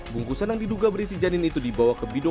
bungkusan yang diduga berisi janin itu dibawa ke bidok